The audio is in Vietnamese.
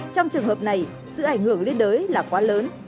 trong trường hợp này sự ảnh hưởng liên đới là quá lớn